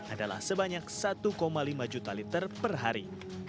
adalah sebanyak satu lima juta liter per hari